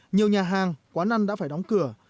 nhiều nhà hàng quán ăn đã phải đóng cửa